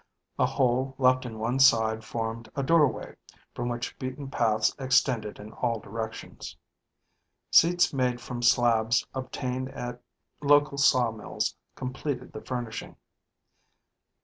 A hole left in one side formed a doorway from which beaten paths extended in all directions. Seats made from slabs obtained at local sawmills completed the furnishing.